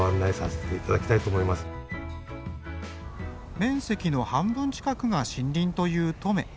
面積の半分近くが森林という登米。